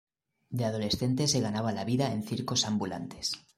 De adolescente se ganaba la vida en circos ambulantes.